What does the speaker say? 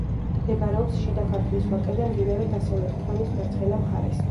მდებარეობს შიდა ქართლის ვაკეზე, მდინარე დასავლეთ ფრონის მარცხენა მხარეს.